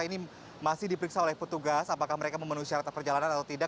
ini masih diperiksa oleh petugas apakah mereka memenuhi syarat perjalanan atau tidak